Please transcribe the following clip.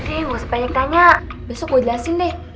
eh ga usah banyak tanya besok gua jelasin deh